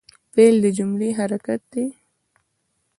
فعل د جملې حرکت دئ.